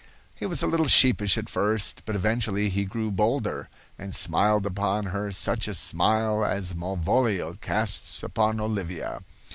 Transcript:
He was a little sheepish at first, but eventually he grew bolder, and smiled upon her such a smile as Malvolio casts upon Olivia.